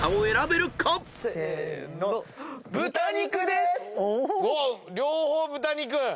両方豚肉。